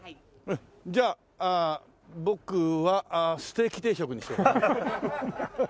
じゃあ僕はステーキ定食にしようかな。